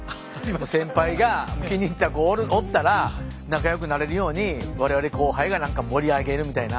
先輩が気に入った子おったら仲良くなれるように我々後輩が盛り上げるみたいな。